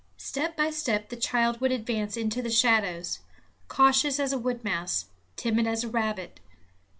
Step by step the child would advance into the shadows, cautious as a wood mouse, timid as a rabbit.